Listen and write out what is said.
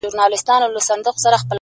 اغزي چاپيره دي تر ما خالقه گل زه یم